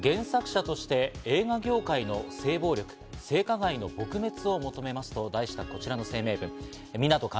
原作者として映画業界の性暴力、性加害の撲滅を求めますと題したこちらの声明文。